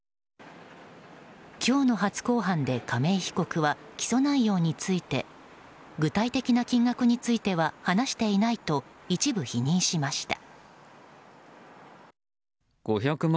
今日の初公判で亀井被告は起訴内容について具体的な金額については話していないと一部否認しました。